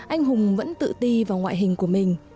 anh hùng vẫn tự ti vào ngoại hình của mình